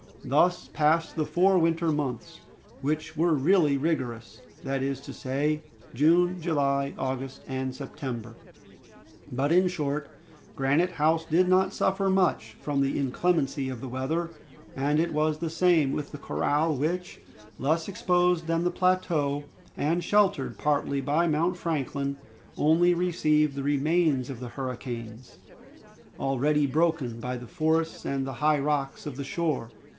Thus passed the four winter months, which were really rigorous, that is to say, June, July, August, and September. But, in short, Granite House did not suffer much from the inclemency of the weather, and it was the same with the corral, which, less exposed than the plateau, and sheltered partly by Mount Franklin, only received the remains of the hurricanes, already broken by the forests and the high rocks of the shore.